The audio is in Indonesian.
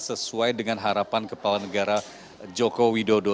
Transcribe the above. sesuai dengan harapan kepala negara joko widodo